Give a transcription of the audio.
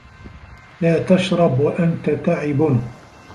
لَا تَشْرَبْ وَأَنْتَ تَعِبٌ.